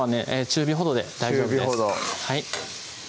中火ほどで大丈夫です